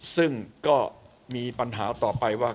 ซึ่งก็มีปัญหาต่อไปว่า